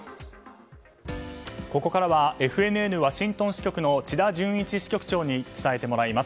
ここからはＦＮＮワシントン支局の千田淳一支局長に伝えてもらいます。